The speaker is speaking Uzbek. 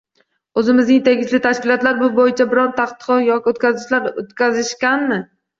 Oʻzimizning tegishli tashkilotlar bu boʻyicha biror tadqiqot yoki oʻrganishlar oʻtkazishganmi?